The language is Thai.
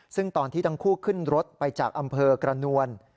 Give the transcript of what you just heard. ซึ่งตอนที่ทั้งคู่ขึ้นรถไปจากอำเภอกระนวล